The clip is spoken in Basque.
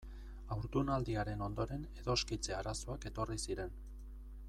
Haurdunaldiaren ondoren edoskitze arazoak etorri ziren.